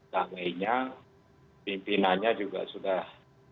pegawainya pimpinannya juga sudah